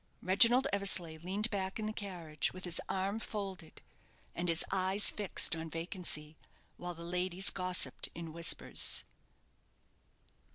Reginald Eversleigh leaned back in the carriage, with his arum folded, and his eyes fixed on vacancy, while the ladies gossipped in whispers.